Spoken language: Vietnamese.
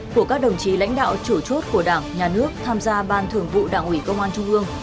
của các đồng chí lãnh đạo chủ chốt của đảng nhà nước tham gia ban thường vụ đảng ủy công an trung ương